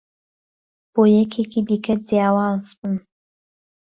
بۆ یهکێکی دیکه جیاواز بن